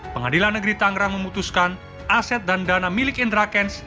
pengadilan negeri tangerang memutuskan aset dan dana milik indra kents